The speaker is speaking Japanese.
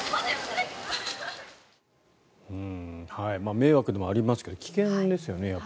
迷惑でもありますが危険ですよね。